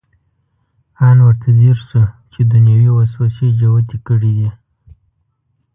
ان ورته ځیر شو چې دنیوي وسوسې جوتې کړې دي.